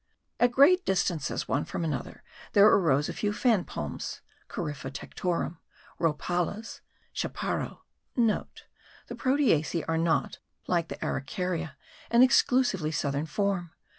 At great distances one from another, there arose a few fan palms (Corypha tectorum), rhopalas* (chaparro (* The Proteaceae are not, like the Araucaria, an exclusively southern form.